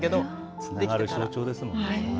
つながりの象徴ですもんね。